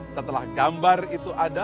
setelah gambar itu ada